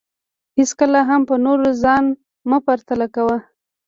هېڅکله هم په نورو ځان مه پرتله کوه